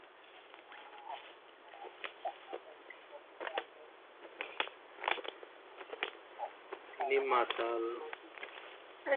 তিনি মালাতয়া আক্রমণের হুমকি দেন।